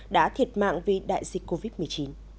đã thiệt mạng vì đại dịch covid một mươi chín